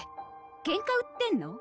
ケンカ売ってんの？